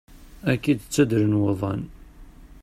Ad k-id-ttaddren wuḍan.